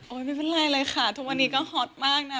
ไม่เป็นไรเลยค่ะทุกวันนี้ก็ฮอตมากนะ